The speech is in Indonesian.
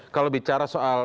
kalau bicara soal